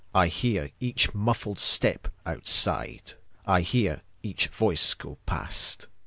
I hear each muffled step outside,I hear each voice go past.